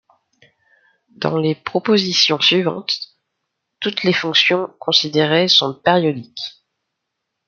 Dans les propositions suivantes, toutes les fonctions considérées sont -périodiques.